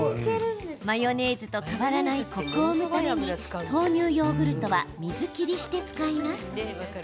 マヨネーズと変わらないコクを生むために豆乳ヨーグルトは水切りして使います。